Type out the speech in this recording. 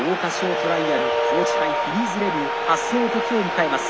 トライアル報知杯フィリーズレビュー発走の時を迎えます。